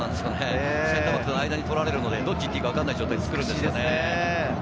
センターバックの間に取られるので、どっちに行っていいか分からない状態を作るんですよね。